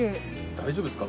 大丈夫ですか？